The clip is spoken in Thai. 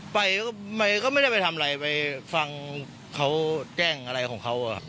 ไปก็ไม่ได้ไปทำอะไรไปฟังเขาแจ้งอะไรของเขา